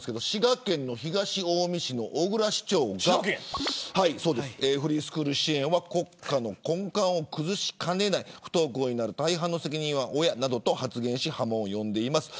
滋賀県の東近江市の小椋市長がフリースクール支援は国家の根幹を崩しかねない不登校になる大半の責任は親などと発言し波紋を呼んでいます。